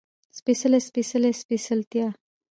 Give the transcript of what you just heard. سپېڅلی، سپېڅلې، سپېڅلي، سپېڅلتيا